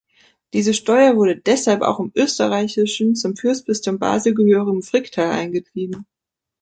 Diese Steuer wurde deshalb auch im österreichischen, zum Fürstbistum Basel gehörigen Fricktal eingetrieben.